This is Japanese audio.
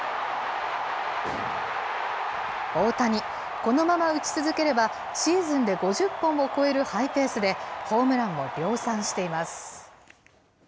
大谷、このまま打ち続ければシーズンで５０本を超えるハイペースで、ホームランを量産しています。